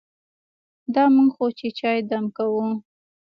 دا موږ خو چې چای دم کوو.